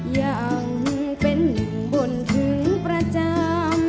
ยังเป็นบ่นถึงประจำ